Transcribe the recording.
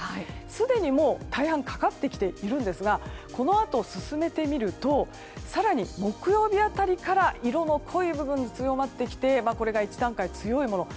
すでにもう大半がかかってきているんですがこのあと、進めてみると更に木曜日辺りから色の濃い部分が強まってきてこれが一段階強いもの。